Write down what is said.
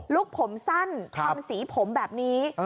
ผมสั้นทำสีผมแบบนี้